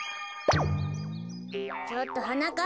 ちょっとはなかっ